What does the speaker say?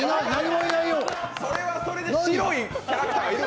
それでそれで白いキャラクターいる。